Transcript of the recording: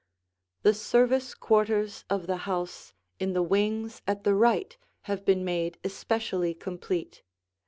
The service quarters of the house in the wings at the right have been made especially complete.